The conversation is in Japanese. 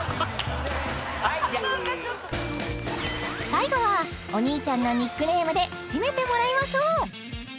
最後はお兄ちゃんのニックネームで締めてもらいましょう！